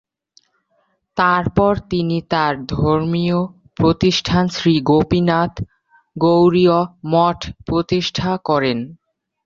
তারপর তিনি তার ধর্মীয় প্রতিষ্ঠান শ্রী গোপীনাথ গৌড়ীয় মঠ প্রতিষ্ঠা করেন।